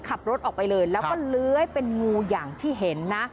ขับรถออกไปเลยแล้วก็เลื้อยเป็นงูอย่างที่เห็นนะ